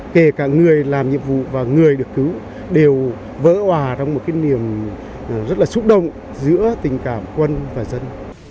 kể cả người làm nhiệm vụ và người được cứu đều vỡ hòa trong một cái niềm rất là xúc động giữa tình cảm quân và dân